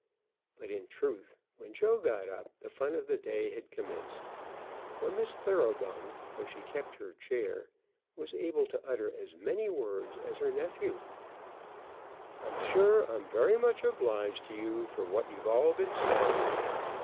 But, in truth, when Joe got up the fun of the day had commenced, for Miss Thoroughbung, though she kept her chair, was able to utter as many words as her nephew: "I'm sure I'm very much obliged to you for what you've all been saying."